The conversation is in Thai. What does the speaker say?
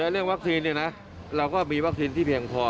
เรื่องวัคซีนเราก็มีวัคซีนที่เพียงพอ